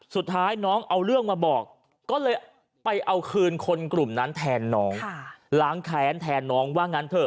สุดท้ายน้องเอาเรื่องมาบอกก็เลยไปเอาคืนคนกลุ่มนั้นแทนน้อง